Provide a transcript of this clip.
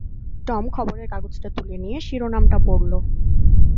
Tom খবরের কাগজটা তুলে নিয়ে শিরনামটা পড়ল।